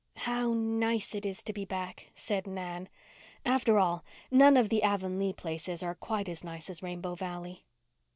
"How nice it is to be back!" said Nan. "After all, none of the Avonlea places are quite as nice as Rainbow Valley."